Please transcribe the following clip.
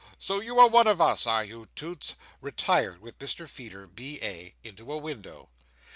So you are one of us, are you, Toots?"—retired with Mr Feeder, B.A., into a window.